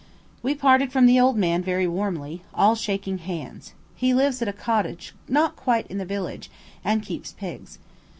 We parted from the old man very warmly, all shaking hands. He lives at a cottage not quite in the village, and keeps pigs.